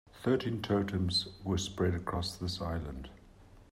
Thirteen totems were spread across this island.